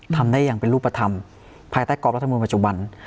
ทำได้อย่างเป็นรูปธรรมภายใต้กรอบรัฐมนต์ปัจจุบัน